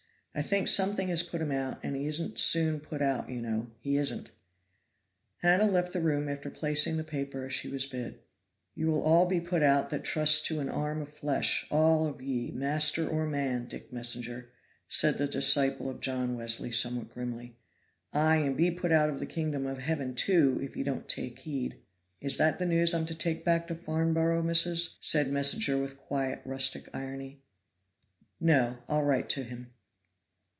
I think something has put him out, and he isn't soon put out, you know, he isn't." Hannah left the room, after placing the paper as she was bid. "You will all be put out that trust to an arm of flesh, all of ye, master or man, Dick Messenger," said the disciple of John Wesley somewhat grimly. "Ay, and be put out of the kingdom of heaven, too, if ye don't take heed." "Is that the news I'm to take back to Farnborough, missus?" said Messenger with quiet, rustic irony. "No; I'll write to him."